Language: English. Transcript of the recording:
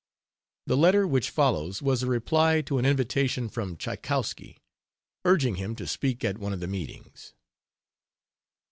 The letter which follows was a reply to an invitation from Tchaikowski, urging him to speak at one of the meetings.